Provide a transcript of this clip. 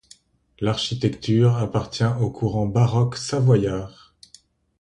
L'architecture appartient au courant baroque savoyard.